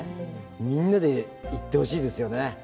みんなで行ってほしいですよね